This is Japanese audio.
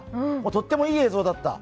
とってもいい映像だった。